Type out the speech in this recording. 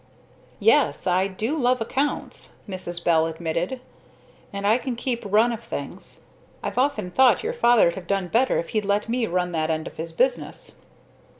"Yes I do love accounts," Mrs. Bell admitted. "And I can keep run of things. I've often thought your Father'd have done better if he'd let me run that end of his business."